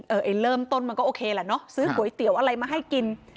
ไอ้เริ่มต้นมันก็โอเคแหละเนอะซื้อก๋วยเตี๋ยวอะไรมาให้กิน